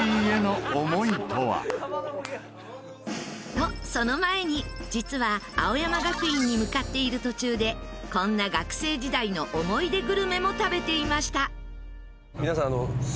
とその前に実は青山学院に向かっている途中でこんな学生時代の思い出グルメも食べていました。